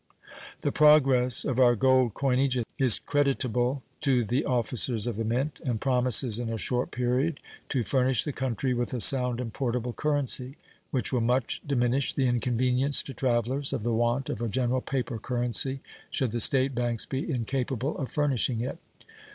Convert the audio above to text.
The progress of our gold coinage is creditable to the officers of the Mint, and promises in a short period to furnish the country with a sound and portable currency, which will much diminish the inconvenience to travelers of the want of a general paper currency should the State banks be incapable of furnishing it.